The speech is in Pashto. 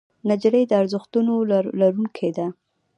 نجلۍ د ارزښتونو لرونکې ده.